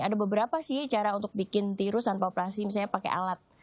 ada beberapa sih cara untuk bikin tiru tanpa operasi misalnya pakai alat